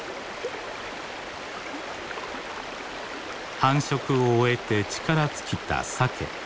繁殖を終えて力尽きたサケ。